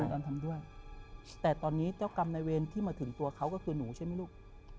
ตอนทำด้วยแต่ตอนนี้เจ้ากรรมในเวรที่มาถึงตัวเขาก็คือหนูใช่ไหมลูก